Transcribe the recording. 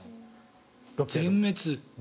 全滅。